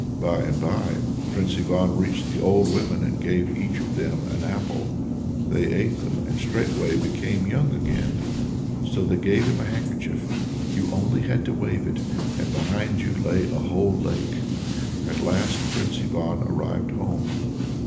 By and by Prince Ivan reached the old women, and gave each of them an apple. They ate them, and straightway became young again. So they gave him a handkerchief; you only had to wave it, and behind you lay a whole lake! At last Prince Ivan arrived at home.